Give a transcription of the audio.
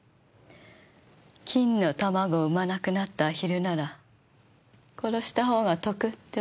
金の卵を産まなくなったアヒルなら殺したほうが得ってわけね。